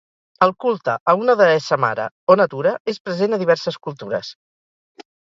El culte a una deessa mare o natura és present a diverses cultures.